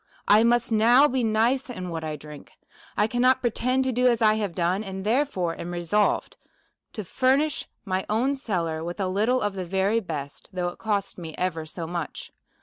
1 must now be nice in what I drink ; 1 cannot pretend to do as I have done ; and, therefore, am resolved to furnish my own cellar with a little of the very best, though it cost me ever so much.